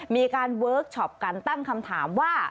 เวิร์คชอปกันตั้งคำถามว่า